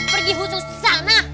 pergi khusus sana